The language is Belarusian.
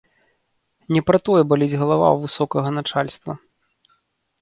Не пра тое баліць галава ў высокага начальства.